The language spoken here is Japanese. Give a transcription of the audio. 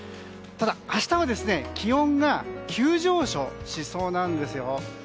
ただ、明日は気温が急上昇しそうなんですよ。